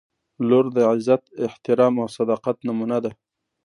• لور د عزت، احترام او صداقت نمونه ده.